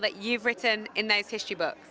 bagaimana perasaan anda dalam buku sejarah itu